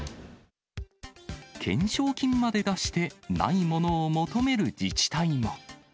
懸賞金まで出して、ないものを求める自治体も。